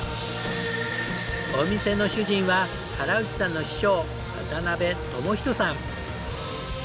お店の主人は原内さんの師匠渡部朋仁さん。